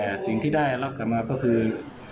อีกอย่างที่ได้รับกลับมาก็คือ